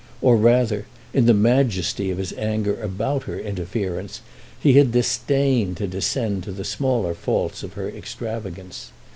Or, rather, in the majesty of his anger about her interference, he had disdained to descend to the smaller faults of her extravagance.